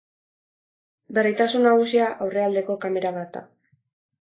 Berritasun nagusia aurrealdeko kamera bat da.